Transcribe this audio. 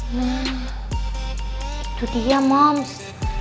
nah itu dia moms